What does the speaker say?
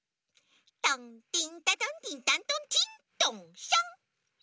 トンティンタトンティンタントンティントンシャン